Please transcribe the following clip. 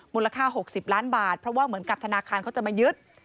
มูลค่า๖๐ล้านบาทเพราะว่าเหมือนกับธนาคารเขาจะมายึด